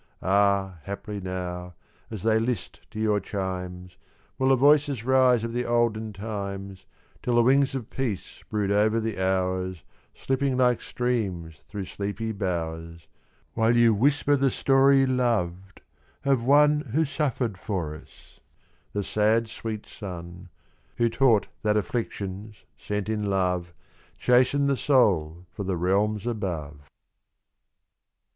Ah, haply now, as they list to your chimes, Will the voices rise of the olden times, Till the wings of peace brood over the hours Slipping like streams through sleepy bowers, While you whisper the story loved of One Who suffered for us the sad sweet Son Who taught that afflictions, sent in love, Chasten the soul for the realms above.